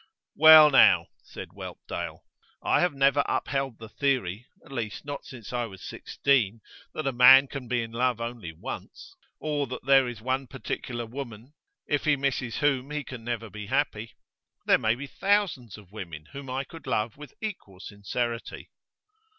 'Well, now,' said Whelpdale, 'I have never upheld the theory at least not since I was sixteen that a man can be in love only once, or that there is one particular woman if he misses whom he can never be happy. There may be thousands of women whom I could love with equal sincerity.